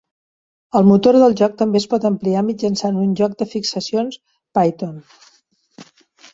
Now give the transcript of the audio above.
El motor del joc també es pot ampliar mitjançant un joc de fixacions Python.